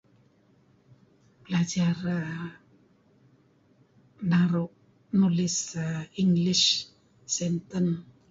Balajar[aah]naruh nulis[aah] english sentence.